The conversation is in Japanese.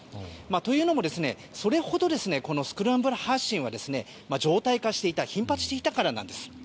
というのも、それほどスクランブル発進は常態化していた頻発していたからなんです。